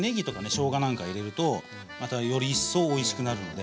しょうがなんか入れるとまたより一層おいしくなるので。